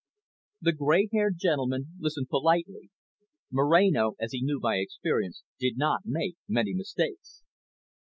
The grey haired gentleman listened politely. Moreno, as he knew by experience, did not make many mistakes.